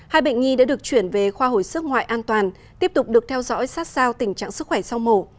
hai bệnh nhi đã được chuyển về khoa hồi sức ngoại an toàn tiếp tục được theo dõi sát sao tình trạng sức khỏe sau mổ